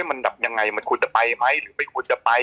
มันแบบยังไงมันควรจะไปไหมหรือไม่ควรจะไป